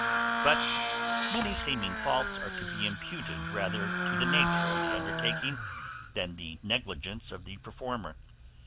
But many seeming faults are to be imputed rather to the nature of the undertaking, than the negligence of the performer.